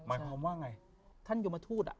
หมายความว่าไงท่านยมทูต